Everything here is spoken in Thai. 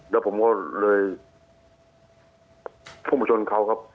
แล้วผมก็เลยพุ่งไปชนเขาครับ